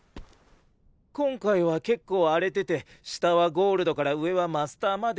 今回は結構荒れてて下はゴールドから上はマスターまでいる。